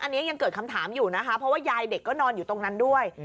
อันนี้ยังเกิดคำถามอยู่นะคะเพราะว่ายายเด็กก็นอนอยู่ตรงนั้นด้วย